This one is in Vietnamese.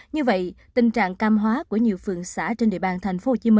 như vậy tình trạng cam hóa của nhiều phường xã trên địa bàn tp hcm